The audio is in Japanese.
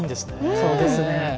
そうですね。